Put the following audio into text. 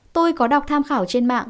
tôi có đọc tham khảo trên mạng